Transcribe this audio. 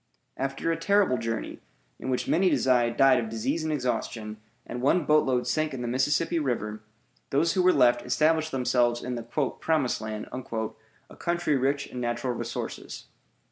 After a terrible journey, in which many died of disease and exhaustion, and one boatload sank in the Mississippi River, those who were left established themselves in the "Promised Land," a country rich in natural resources.